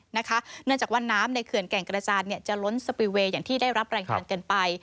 เนื่องจากว่าน้ำในเขื่อนแก่งกระจานจะล้นสปิลเวย์อย่างที่ได้รับรายงานกันไป